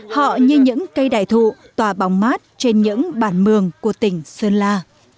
họ như những cây đài thụ tòa bóng mát trên những bản mường của tỉnh sơn la